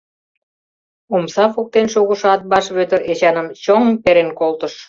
Омса воктен шогышо Атбаш Вӧдыр Эчаным чоҥ! перен колтыш.